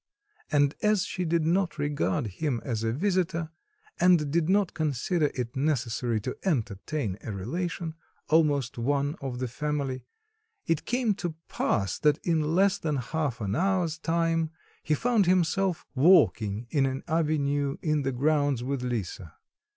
And as she did not regard him as a visitor, and did not consider it necessary to entertain a relation, almost one of the family, it came to pass that in less than half an hour's time he found himself walking in an avenue in the grounds with Lisa.